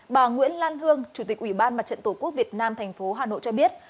bà nguyễn lan hương chủ tịch ủy ban mặt trận tổ quốc việt nam tp hà nội cho biết